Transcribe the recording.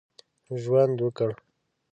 ژوند وکړ.